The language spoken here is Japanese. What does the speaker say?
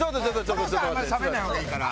この人はあんまりしゃべんない方がいいから。